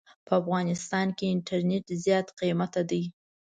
په افغانستان کې انټرنيټ زيات قيمته دي.